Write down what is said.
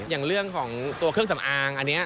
อย่างเรื่องของตัวเครื่องสำอางอันนี้